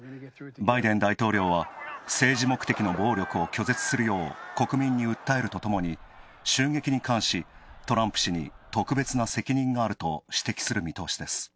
バイデン大統領は政治目的の暴力を拒絶するよう国民に訴えるとともに襲撃に関し、トランプ氏に特別な責任があると指摘する見通しです。